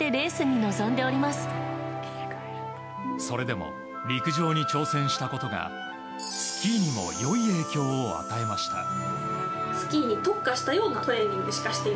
それでも陸上に挑戦したことがスキーにも良い影響を与えました。